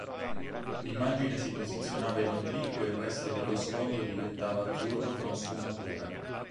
L'immagine si posizionava in obliquo e il resto dello sfondo diventava azzurro con sfumature.